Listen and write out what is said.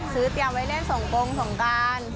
ซื้อเตรียมไว้เล่นสงกรงสงกราน